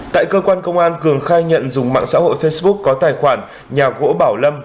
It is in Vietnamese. tại cơ quan công an cường khai nhận dùng mạng xã hội facebook có tài khoản nhà gỗ bảo lâm